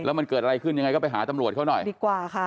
มันเกิดอะไรขึ้นยังไงก็ไปหาตำรวจเขาหน่อยดีกว่าค่ะ